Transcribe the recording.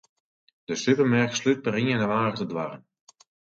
De supermerk slút per ien jannewaris de doarren.